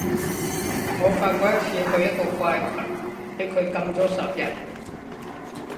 我發過一次去一個怪群，畀佢禁咗十日